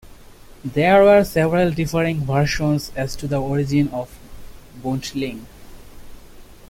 There are several differing versions as to the origin of Boontling.